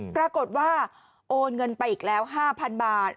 ปรากฏว่าโอนเงินไปอีกแล้ว๕๐๐๐บาท